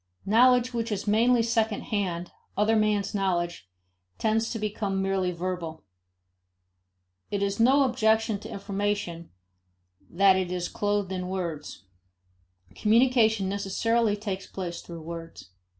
Knowledge which is mainly second hand, other men's knowledge, tends to become merely verbal. It is no objection to information that it is clothed in words; communication necessarily takes place through words.